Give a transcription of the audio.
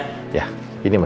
sebentar lagi juga